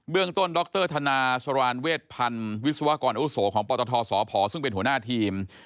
เรื่องต้นดรธนาสรานเวชพันธ์วิศวกรอุโสของปตทสพซึ่งเป็นหัวหน้าทีม